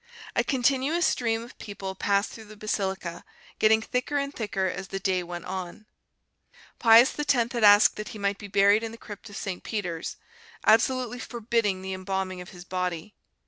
A continuous stream of people passed through the basilica, getting thicker and thicker as the day went on. Pius X had asked that he might be buried in the crypt of St. Peter's, absolutely forbidding the embalming of his body.